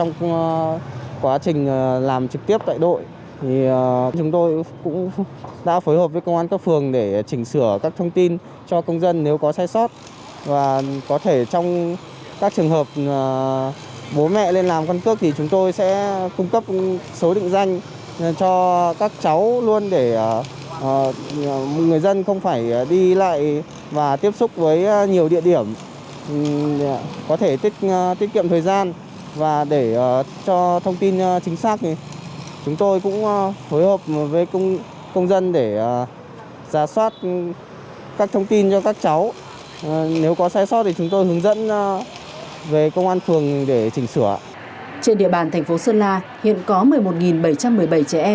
công an tp sơn la đã hỗ trợ công an công an các phường xã công an tp sơn la đã tránh tình trạng tập trung đông người trong thời gian dịch